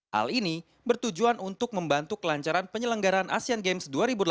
hal ini bertujuan untuk membantu kelancaran penyelenggaran asean games dua ribu delapan belas